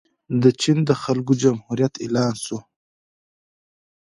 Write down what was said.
د چین د خلکو جمهوریت اعلان شو.